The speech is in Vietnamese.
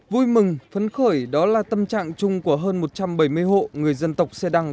vui mừng phấn khởi đó là tâm trạng chung của hơn một trăm bảy mươi hộ người dân tộc xe đăng